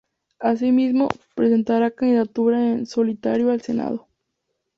Asimismo, presentará candidatura en solitario al Senado.